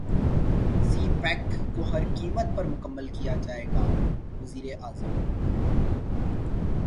سی pack کو ہر قیمت پر مکمل کیا جائے گا وزیراعظم